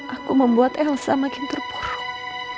aku membuat elsa makin terpuruk